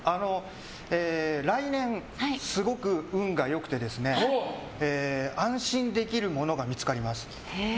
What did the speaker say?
来年、すごく運が良くて安心できるものが見つかります。